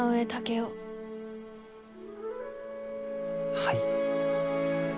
はい。